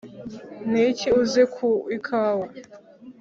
niki uzi ku ikawa?